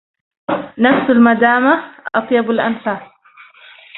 نفس المدامة أطيب الأنفاس